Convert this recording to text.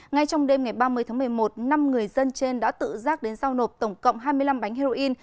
ngay trong đêm ngày ba mươi tháng một mươi một năm người dân trên đã tự giác đến giao nộp tổng cộng hai mươi năm bánh heroin